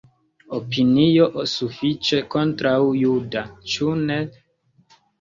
Opinio sufiĉe kontraŭ-juda, ĉu ne?